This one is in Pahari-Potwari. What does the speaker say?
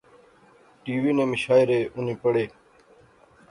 ٹی وی نے مشاعرے اُنی پڑھے